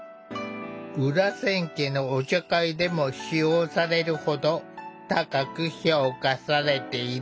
裏千家のお茶会でも使用されるほど高く評価されている。